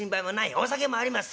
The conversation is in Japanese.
お酒もあります。